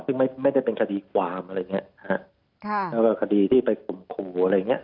ซึ่งไม่ไม่ได้เป็นคดีความอะไรเนี้ยฮะค่ะแล้วก็คดีที่ไปข่มขู่อะไรอย่างเงี้